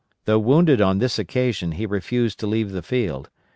Though wounded on this occasion he refused to leave the field.